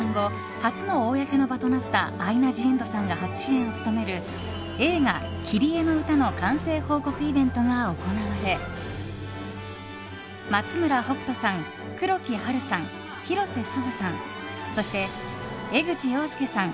初の公の場となったアイナ・ジ・エンドさんが初主演を務める映画「キリエのうた」の完成報告イベントが行われ松村北斗さん、黒木華さん広瀬すずさんそして江口洋介さん